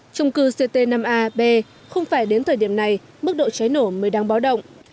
trung cư ct năm a b không phải đến thời điểm này mức độ cháy nổ mới đang báo động